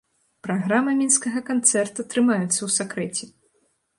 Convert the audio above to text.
Праграма мінскага канцэрта трымаецца ў сакрэце.